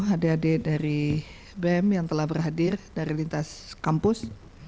adik adik dari bem yang telah berhadir dari lintas kampus